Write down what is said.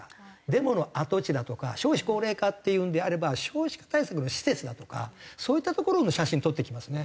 デモの跡地だとか少子高齢化っていうんであれば少子化対策の施設だとかそういった所の写真撮ってきますね。